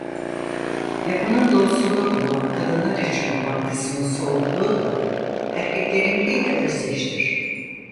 Yapının doğusunda bulunan kadınlar için olan kısmın soğukluğu da erkeklerinkiyle özdeştir.